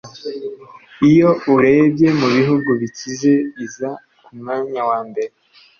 Iyo urebye mu bihugu bikize iza ku mwanya wa mbere